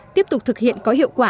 tiếp tục thực hiện có hiệu quả